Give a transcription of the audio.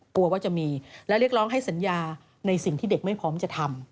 กลัวว่าจะมีและเรียกร้องให้สัญญาในสิ่งที่เด็กไม่พร้อมจะทำ